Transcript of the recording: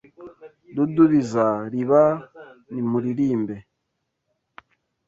Dudubiza, Riba, nimuririmbe